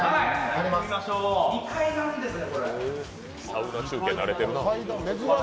２階なんですよ。